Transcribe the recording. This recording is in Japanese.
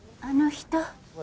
あの人。